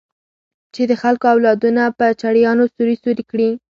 چې د خلکو اولادونه په چړيانو سوري سوري کړي.